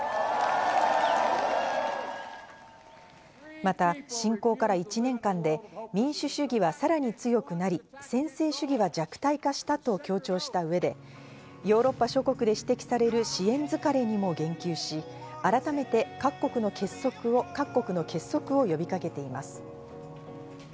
また侵攻から１年間で、民主主義はさらに強くなり専制主義は弱体化したと強調した上でヨーロッパ諸国で指摘される支援疲れにも言及し、改めて各国の結束を呼びかけています。